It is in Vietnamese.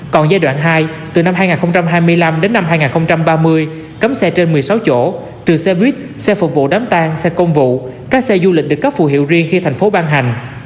còn giai đoạn hai từ năm hai nghìn hai mươi năm đến năm hai nghìn ba mươi cấm xe trên một mươi sáu chỗ trừ xe buýt xe phục vụ đám tang xe công vụ các xe du lịch được cấp phù hiệu riêng khi thành phố ban hành